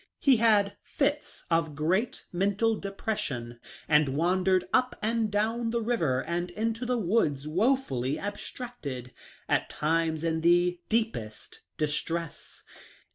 He had fits of great mental depression, and wandered up and down the river and into the woods woefully abstracted — at times in the deepest distress.